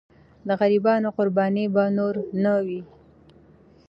د غریبانو قرباني به نور نه وي.